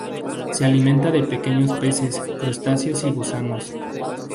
Se alimentan de pequeños peces, crustáceos y gusanos.